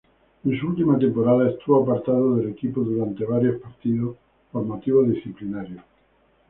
En su última temporada estuvo apartado del equipo durante varios partidos por motivos disciplinarios.